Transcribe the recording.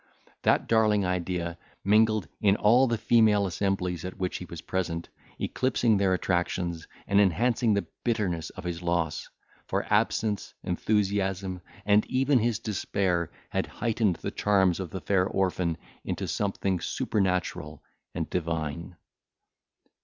That darling idea mingled in all the female assemblies at which he was present, eclipsing their attractions, and enhancing the bitterness of his loss; for absence, enthusiasm, and even his despair had heightened the charms of the fair orphan into something supernatural and divine.